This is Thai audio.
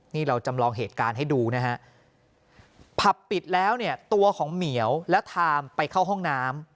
นี่เราจำลองเหตุการณ์ให้ดูนะฮะผับปิดแล้วเนี่ยตัวของเหมียวและทามไปเข้าห้องน้ำ